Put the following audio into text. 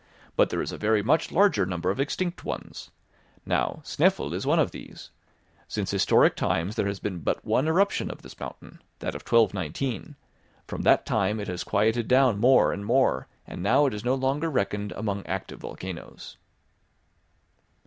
But there is a very much larger number of extinct ones. Now, Snæfell is one of these. Since historic times there has been but one eruption of this mountain, that of 1219; from that time it has quieted down more and more, and now it is no longer reckoned among active volcanoes."